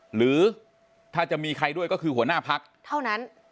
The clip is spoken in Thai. หรือถ้าจะมีใครด้วยก็คือหัวหน้าพักเท่านั้น